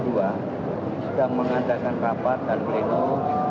sudah mengadakan rapat dan pleno